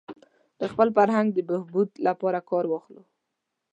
د خپل فرهنګ د بهبود لپاره کار واخلو.